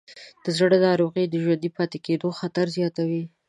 د زړه ناروغۍ د ژوندي پاتې کېدو خطر زیاتوې.